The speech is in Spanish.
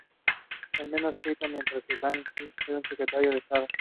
El memo fue escrito mientras que Henry Kissinger era Secretario de Estado.